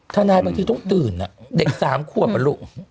ทนายบางทีต้องตื่นนะเด็กสามคั่วปะลูก